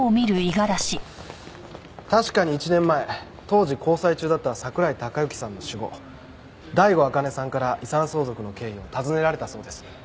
確かに１年前当時交際中だった桜井孝行さんの死後醍醐あかねさんから遺産相続の経緯を尋ねられたそうです。